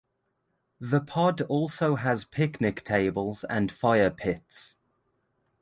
The pod also has picnic tables and fire pits.